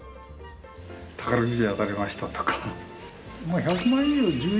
「宝くじが当たりました」とか。